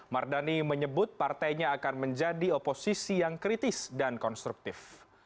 mardani menyebut partainya akan menjadi oposisi yang kritis dan konstruktif